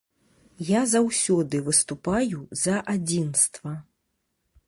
Я заўсёды выступаю за адзінства.